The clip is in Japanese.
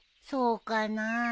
そうかなあ。